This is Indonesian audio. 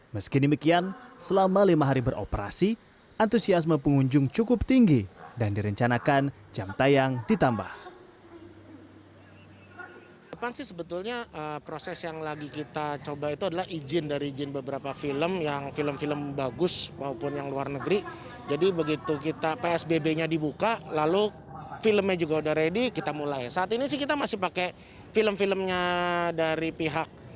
meski demikian selama lima hari beroperasi antusiasme pengunjung cukup tinggi dan direncanakan jam tayang ditambah